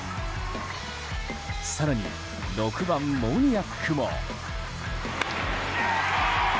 更に６番、モニアックも。